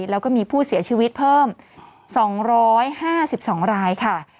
แล้วก็มีผู้เสียชีวิตเพิ่ม๒๕๒รายค่ะ